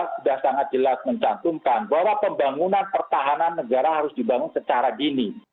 sudah sangat jelas mencantumkan bahwa pembangunan pertahanan negara harus dibangun secara dini